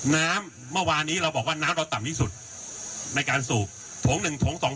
น้ำเมื่อวานี้เราบอกว่าน้ำเราต่ำที่สุดในการสูบถงหนึ่งถงสอง